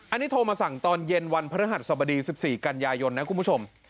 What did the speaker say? อันนี้โทรมาสั่งตอนเย็นวันพระฤหัสสบดี๑๔กันยายนนะคุณผู้ชม